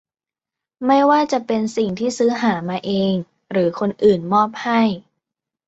ไม่ว่าจะเป็นสิ่งที่ซื้อหามาเอง หรือคนอื่นมอบให้